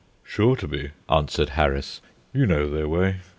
"Sure to be," answered Harris; "you know their way.